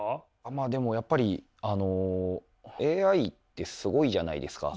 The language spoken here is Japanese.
まあでもやっぱりＡＩってすごいじゃないですか。